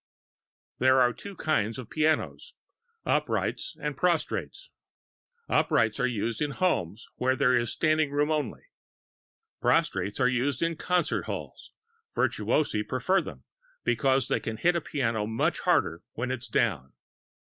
There are two kinds of pianos uprights and prostrates. Uprights are used in homes where there is standing room only. Prostrates are used in concert halls virtuosi prefer them, because they can hit a piano much harder when it is down.